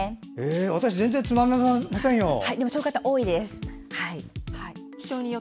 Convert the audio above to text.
私全然つまめませんよ。